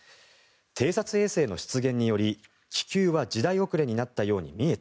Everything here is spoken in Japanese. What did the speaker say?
偵察衛星の出現により、気球は時代遅れになったように見えた